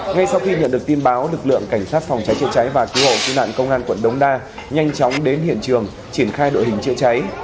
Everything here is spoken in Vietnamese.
ngay sau khi nhận được tin báo lực lượng cảnh sát phòng cháy chữa cháy và cứu hộ cứu nạn công an quận đống đa nhanh chóng đến hiện trường triển khai đội hình chữa cháy